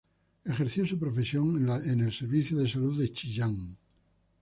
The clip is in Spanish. Ejerció su profesión en el Servicio de Salud de Chillán.